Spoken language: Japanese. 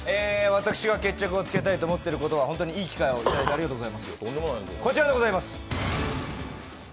私が決着をつけたいと思っていることは、いい機会をありがとうございます。